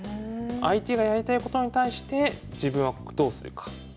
相手がやりたいことに対して自分はどうするか。